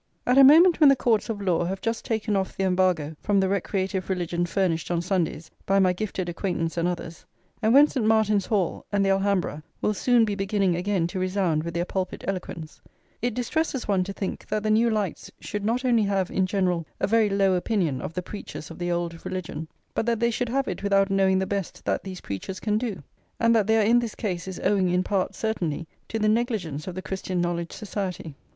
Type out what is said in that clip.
At a moment when the Courts of Law have just taken off the embargo from the recreative religion furnished on Sundays by my gifted acquaintance and others, and when St. Martin's Hall [iv] and the Alhambra will soon be beginning again to resound with their pulpit eloquence, it distresses one to think that the new lights should not only have, in general, a very low opinion of the preachers of the old religion, but that they should have it without knowing the best that these preachers can do. And that they are in this case is owing in part, certainly, to the negligence of the Christian Knowledge Society.